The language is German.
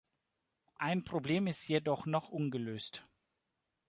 Ein Problem ist jedoch noch ungelöst.